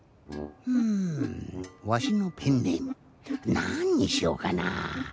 ふんわしのペンネームなんにしようかな。